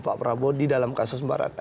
pak prabowo di dalam kasus barat